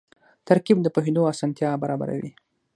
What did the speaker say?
ترکیب د پوهېدو اسانتیا برابروي.